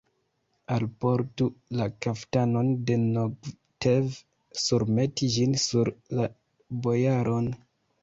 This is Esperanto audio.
Alportu la kaftanon de Nogtev, surmetu ĝin sur la bojaron!